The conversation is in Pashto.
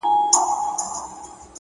مثبت فکر مثبت ژوند جوړوي!.